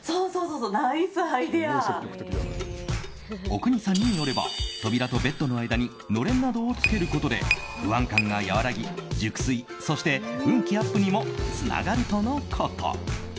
阿国さんによれば扉とベッドの間にのれんなどをつけることで不安感が和らぎ、熟睡そして運気アップにもつながるとのこと。